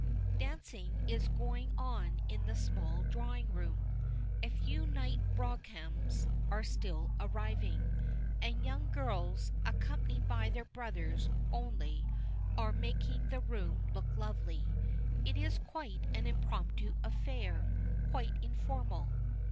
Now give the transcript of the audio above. Dancing is going on in the small drawing room. A few night broughams are still arriving, and young girls, accompanied by their brothers only, are making the room look lovely. It is quite an impromptu affair, quite informal.